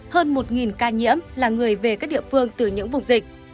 hơn một ca nhiễm là người về các địa phương từ những vùng dịch